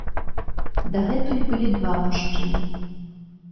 Дагэтуль былі два мужчыны.